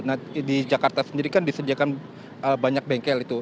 nah di jakarta sendiri kan disediakan banyak bengkel itu